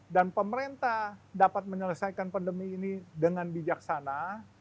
dan pemerintah dapat menyelesaikan pandemi ini dengan bijaksana